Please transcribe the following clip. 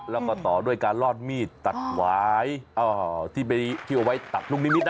แล้วก็ต่อด้วยการลอดมีดตัดหวายที่ไปเที่ยวเอาไว้ตัดลูกนิมิตนะ